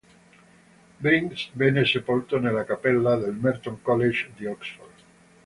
Briggs venne sepolto nella Cappella del Merton College di Oxford.